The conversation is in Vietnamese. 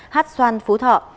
hát xoan phú thọ